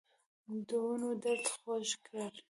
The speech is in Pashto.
دونو درد خوږ کړی